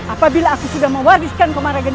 apabila aku sudah mewariskan kemarin